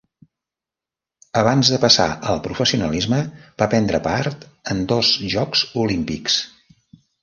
Abans de passar al professionalisme va prendre part en dos Jocs Olímpics.